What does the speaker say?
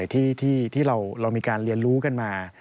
ที่เรามีการเรียนรู้กันมา